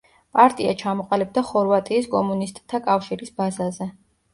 პარტია ჩამოყალიბდა ხორვატიის კომუნისტთა კავშირის ბაზაზე.